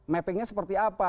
mappingnya seperti apa